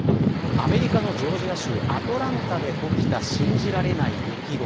アメリカのジョージア州アトランタで起きた信じられない出来事。